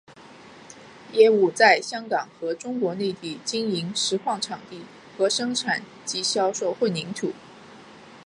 业务在香港和中国内地经营石矿场地和生产及销售混凝土。